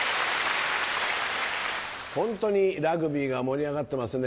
ホントにラグビーが盛り上がってますね。